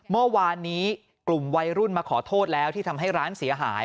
เมื่อวานนี้กลุ่มวัยรุ่นมาขอโทษแล้วที่ทำให้ร้านเสียหาย